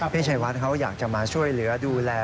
พี่ชัยวัดเขาอยากจะมาช่วยเหลือดูแล